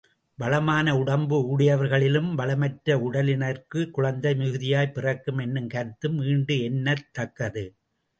வளமான உடம்பு உடையவர்களிலும் வளமற்ற உடலினார்க்குக் குழந்தை மிகுதியாய்ப் பிறக்கும் என்னும் கருத்தும் ஈண்டு எண்ணத் தக்கது.